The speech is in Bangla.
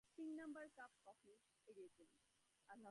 ইন্টারে আমার দ্বিতীয় ভাষা ছিলো!